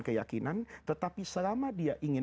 keyakinan tetapi selama dia ingin